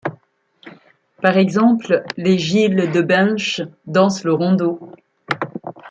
Par exemple, les gilles de Binche dansent le rondeau.